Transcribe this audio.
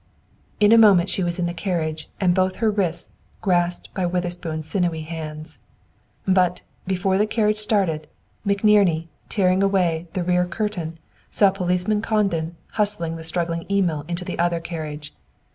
In a moment she was in the carriage, and both her wrists grasped by Witherspoon's sinewy hands. But, before the carriage started, McNerney, tearing away the rear curtain, saw Policeman Condon hustling the struggling Emil into the other carriage.